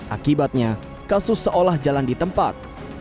akibatnya kasus seolah jalan di tempat